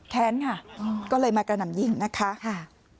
แค้นค่ะก็เลยมากระหน่ำยิงนะคะค่ะ